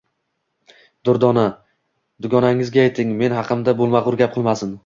Durdona, dugonangizga ayting, men haqimda bo`lmag`ur gap qilmasin